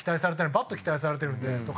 バット期待されてるんでとか。